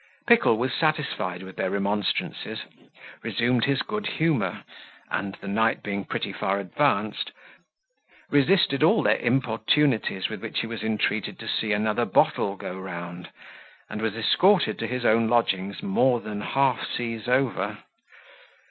Pickle was satisfied with their remonstrances, resumed his good humour, and the night being pretty far advanced resisted all their importunities with which he was entreated to see another bottle go round, and was escorted to his own lodgings more than half seas over.